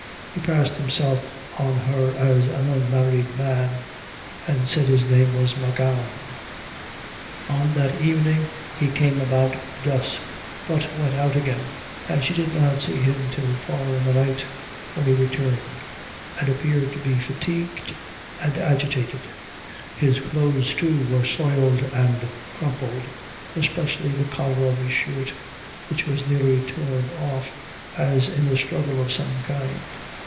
He passed himself on her as an unmarried man, and said his name was M'Gowan. On that evening he came about dusk, but went out again, and she did not see him till far in the night, when he returned, and appeared to be fatigued and agitated his clothes, too, were soiled and crumpled, especially the collar of his shirt, which was nearly torn off, as in a struggle of some kind.